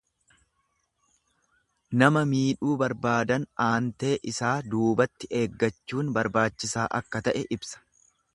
Nama miidhuu barbaadan aantee isaa duubatti eeggachuun barbaachisaa akka ta'e ibsa.